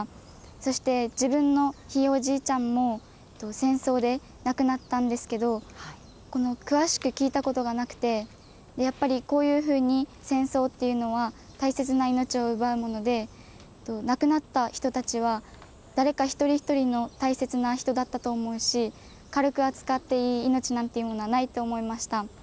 そして、自分のひいおじいちゃんも戦争で亡くなったんですけど、詳しく聞いたことがなくて、やっぱりこういうふうに戦争っていうのは大切な命を奪うもので、亡くなった人たちは、誰か一人一人の大切な人だったと思うし、軽く扱っていい命なんていうものはないと思いました。